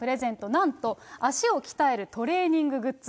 なんと脚を鍛えるトレーニンググッズ。